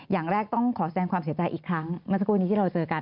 อย่างแรกต้องขอแสดงความเสียใจอีกครั้งเมื่อสักครู่นี้ที่เราเจอกัน